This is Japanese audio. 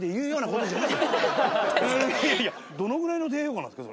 どのぐらいの低評価なんですか？